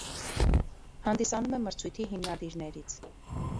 Հանդիսանում է մրցույթի հիմնադիրներից։